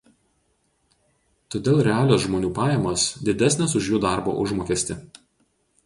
Todėl realios žmonių pajamos didesnės už jų darbo užmokestį.